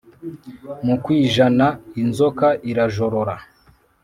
Mukwijana inzoka irajorora,